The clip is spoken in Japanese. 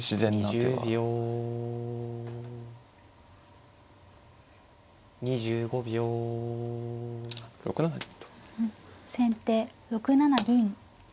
先手６七銀。